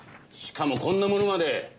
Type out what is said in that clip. しかもこんなものまで。